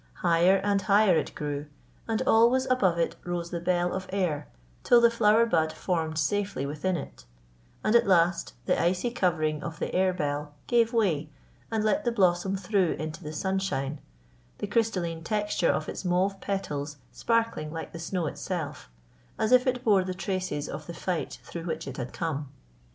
Higher and higher it grew, and always above it rose the bell of air till the flower bud formed safely within it; and at last the icy covering of the air bell gave way and let the blossom through into the sunshine, the crystalline texture of its mauve petals sparkling like the snow itself, as if it bore the traces of the fight through which it had come.